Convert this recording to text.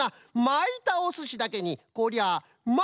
まいたおすしだけにこりゃまいった！